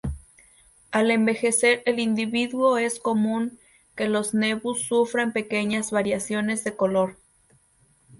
Al envejecer el individuo es común que los nevus sufran pequeñas variaciones de color.